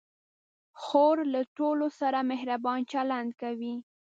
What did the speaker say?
خور له ټولو سره مهربان چلند کوي.